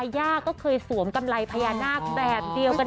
ย่าก็เคยสวมกำไรพญานาคแบบเดียวกัน